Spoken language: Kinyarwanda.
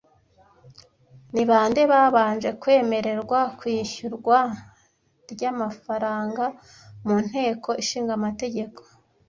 Ni bande babanje kwemererwa kwishyurwa ry'amafaranga mu Nteko ishinga amategeko